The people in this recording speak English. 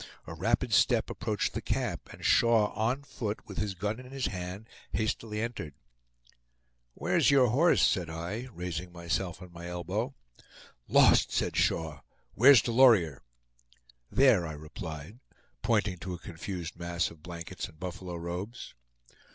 A rapid step approached the camp, and Shaw on foot, with his gun in his hand, hastily entered. "Where's your horse?" said I, raising myself on my elbow. "Lost!" said Shaw. "Where's Delorier?" "There," I replied, pointing to a confused mass of blankets and buffalo robes.